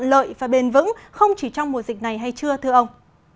lợi và bền vững không chỉ trong mùa dịch này hay chưa thưa ông